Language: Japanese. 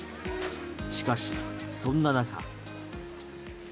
しかしそんな中。